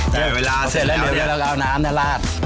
แต่เวลาเสร็จแล้วเดือดแล้วก็เอาน้ำน่ะลาด